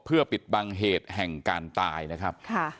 เพื่อปิดบังเหตุแห่งการตายนะครับ